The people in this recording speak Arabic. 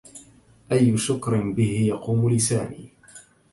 أي شكر به يقوم لساني